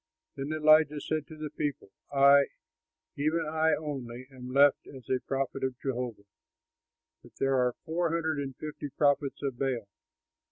Then Elijah said to the people, "I, even I only, am left as a prophet of Jehovah, but there are four hundred and fifty prophets of Baal.